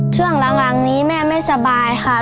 ช่วงหลังนี้แม่ไม่สบายค่ะ